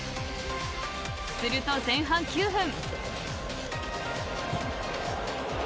すると前半９分。